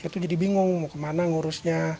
itu jadi bingung mau kemana ngurusnya